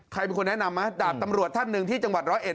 ใครเป็นคนแนะนำไหมดาบตำรวจท่านหนึ่งที่จังหวัดร้อยเอ็